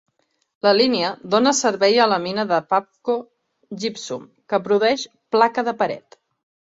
La línia dona servei a la mina de Pabco Gypsum que produeix placa de paret.